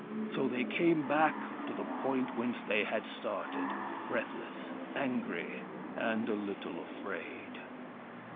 So they came back to the point whence they had started, breathless, angry, and a little afraid.